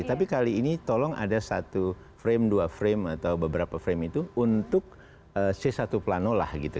tapi kali ini tolong ada satu frame dua frame atau beberapa frame itu untuk c satu plano lah gitu